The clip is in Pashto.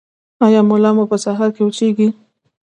ایا ملا مو په سهار کې وچیږي؟